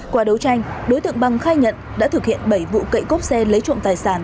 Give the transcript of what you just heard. qua đấu tranh đối tượng bằng khai nhận đã thực hiện bảy vụ cậy cốp xe lấy trộm tài sản